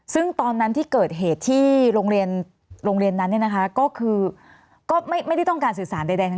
ซึ่งตอนนั้นที่เกิดเหตุที่โรงเรียนนั้นก็คือก็ไม่ได้ต้องการสื่อสารใด